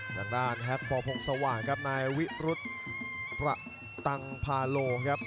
ทางด้านแฮ็กปพงสว่างครับนายวิรุธพระตังพาโลครับ